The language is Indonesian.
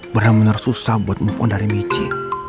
bener bener susah buat move on dari michi